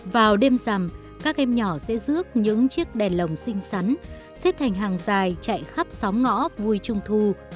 vào đêm rằm các em nhỏ sẽ rước những chiếc đèn lồng xinh xắn xếp thành hàng dài chạy khắp sóng ngõ vui trung thu